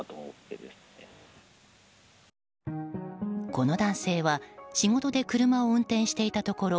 この男性は仕事で車を運転していたところ